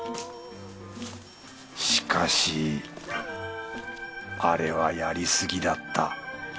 しかしあれはやりすぎだった。